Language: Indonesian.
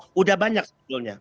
sudah banyak sebetulnya